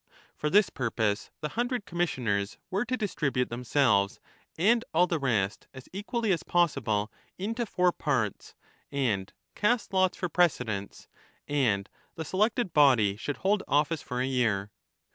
For this purpose the hundred com missioners were to distribute themselves and all the rest 2 as equally as possible into four parts, and cast lots for precedence, and the selected body should hold office for a year.